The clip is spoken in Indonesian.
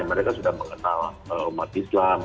mereka sudah mengenal umat islam